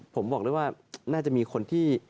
ผมบอกด้วยว่าน่าจะมีคนที่